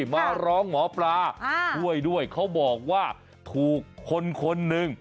มาร้องหมอปลาช่วยด้วยเขาบอกว่าถูกคนคนหนึ่ง